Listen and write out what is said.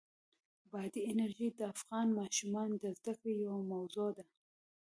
بادي انرژي د افغان ماشومانو د زده کړې یوه موضوع ده.